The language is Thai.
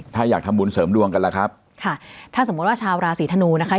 ถ้าอยากทำบุญเสริมดวงกันล่ะครับค่ะถ้าสมมุติว่าชาวราศีธนูนะคะ